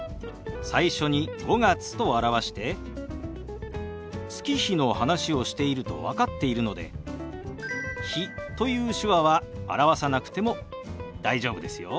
最初に「５月」と表して月日の話をしていると分かっているので「日」という手話は表さなくても大丈夫ですよ。